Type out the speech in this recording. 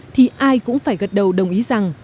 thì ai cũng phải gật đầu đồng ý rằng